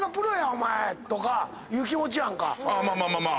お前とかいう気持ちやんか。